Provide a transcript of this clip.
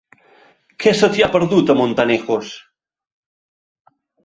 Què se t'hi ha perdut, a Montanejos?